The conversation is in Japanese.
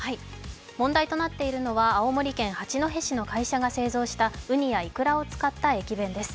問題となっているのは青森県八戸市の会社が製造したうにやいくらを使った駅弁です。